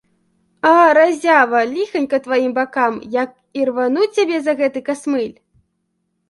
А, разява, ліханька тваім бакам, як ірвану цябе за гэты касмыль!